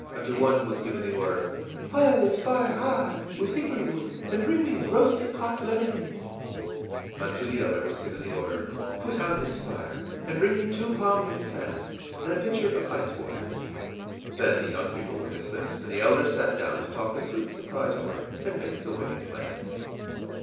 Unto one was given the order, ìPile this fire high, with hickory wood, and bring me a roasting hot lemonade.î Unto the other was given the order, ìPut out this fire, and bring me two palm leaf fans and a pitcher of ice water.î Then the young people were dismissed, and the elders sat down to talk the sweet surprise over and make the wedding plans.